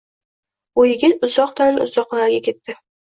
U yigit ulardan uzoqroqqa ketdi